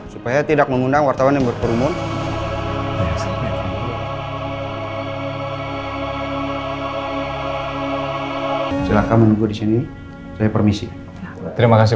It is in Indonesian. supaya tidak mengundang wartawan yang berperumun silakan menunggu di sini saya permisi terima kasih